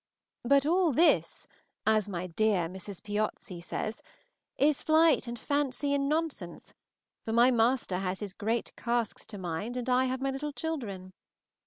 "But all this," as my dear Mrs. Piozzi says, "is flight and fancy and nonsense, for my master has his great casks to mind and I have my little children."